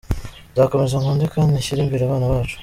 Nzakomeza nkunde kandi nshyire imbere abana bacu.